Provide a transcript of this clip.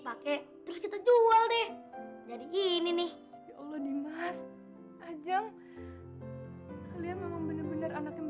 pakai terus kita jual deh jadi ini nih ya allah dimas ajang memang benar benar anak